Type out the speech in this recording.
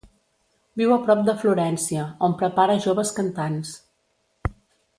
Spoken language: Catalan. Viu a prop de Florència, on prepara joves cantants.